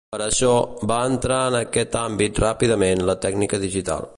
Per això, va entrar en aquest àmbit ràpidament la tècnica digital.